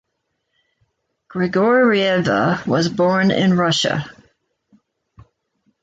Grigorieva was born in Russia.